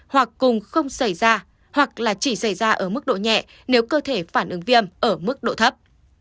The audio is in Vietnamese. hoặc cùng không xảy ra hoặc là chỉ xảy ra ở mức độ nhẹ nếu cơ thể phản ứng viêm ở mức độ thấp